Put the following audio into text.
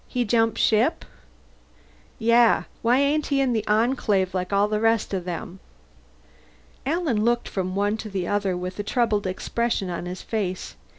He jump ship?" "Yeah? Why ain't he in the Enclave like all the rest of them?" Alan looked from one to the other with a troubled expression on his face.